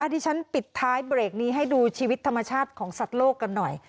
ที่ฉันปิดท้ายเบรกนี้ให้ดูชีวิตธรรมชาติของสัตว์โลกกันหน่อย